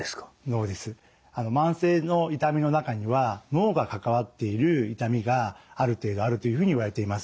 慢性の痛みの中には脳が関わっている痛みがある程度あるというふうにいわれています。